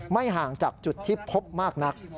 ไม่ห่างจากจุดที่พบมากนัก